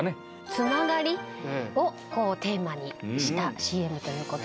「つながり」をテーマにしたＣＭということで。